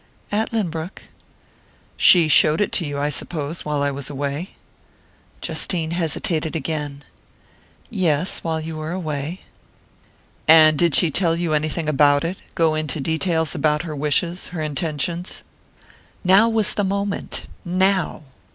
"At Lynbrook." "She showed it to you, I suppose while I was away?" Justine hesitated again. "Yes, while you were away." "And did she tell you anything about it, go into details about her wishes, her intentions?" Now was the moment now!